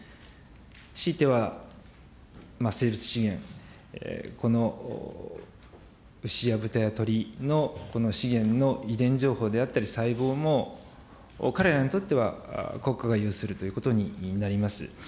ひいては生物資源、この牛や豚や鶏のこの資源の遺伝情報であったり、細胞も、彼らにとっては国家が有するということになります。